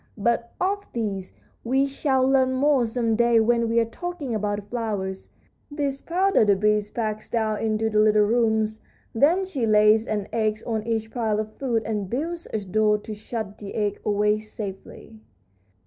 But of this we shall learn more some day when we are talking about the flowers. This powder the bee packs down into the little rooms. Then she lays an egg on each pile of food and builds a door to shut the egg away safely."